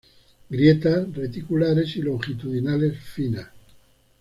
Grietas reticulares y longitudinales finas.